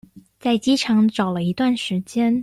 在機場找了一段時間